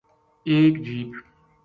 ایک جیپ